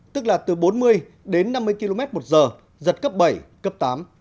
tức là từ bốn mươi đến năm mươi km một giờ giật cấp bảy cấp tám